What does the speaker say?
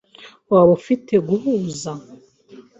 Waba ufite guhuza?